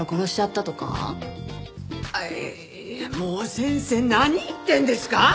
いやもう先生何言ってるんですか！？